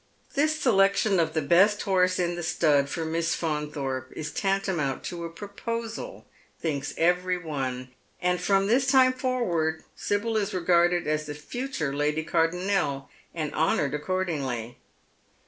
This selection of the best horse in the stud for Miss Faun thorpe is tantamount to a proposal, thinks every one, and from this time forwasd Sibyl is regarded as the future Lady Cardonnel, and honoured accordingly.